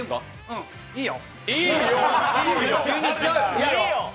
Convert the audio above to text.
うん、いいよ。